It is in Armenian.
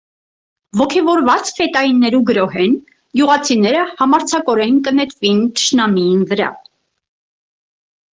Ոգեւորուած ֆետայիներու գրոհէն՝ գիւղացիները համարձակօրէն կը նետուին թշնամիին վրայ։